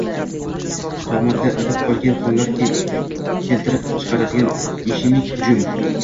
Tomirda ivib qolgan qonlar keltirib chiqaradigan ishemik hujum